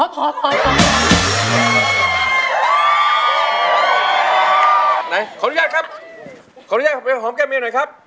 ขออนุญาตครับขออนุญาตหอมแก้มเมียหน่อยครับ